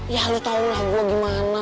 ya lo tau lah gue gimana